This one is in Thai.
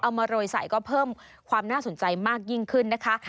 มาโรยใส่ก็เพิ่มความน่าสนใจมากยิ่งขึ้นนะคะ